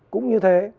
cũng như thế